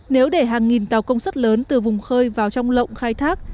nếu để hàng nghìn tàu công suất lớn từ vùng khơi vào trong lộng khai thác